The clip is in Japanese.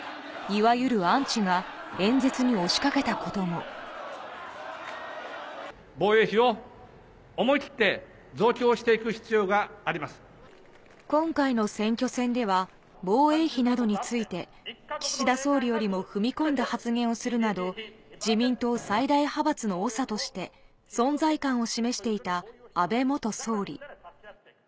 いわゆるアンチが、防衛費を思い切って増強して今回の選挙戦では、防衛費などについて、岸田総理よりも踏み込んだ発言をするなど、自民党最大派閥の長として、存在感を示していた安倍元総理。